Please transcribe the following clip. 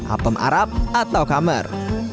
apem arab atau kamer